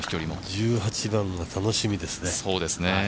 １８番が楽しみですね。